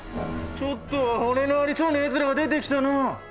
ちょっとは骨のありそうなやつらが出てきたな。